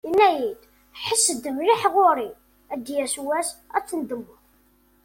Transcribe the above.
Yenna-iyi-d: « Ḥesses-d mliḥ ɣur-i, ad d-yaweḍ wass ad tendemmeḍ."